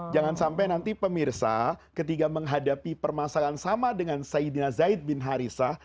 jangan sampai nanti pemirsa ketika menghadapi permasalahan sama dengan saidina zaid bin harithah